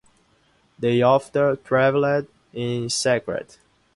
They often traveled in secret.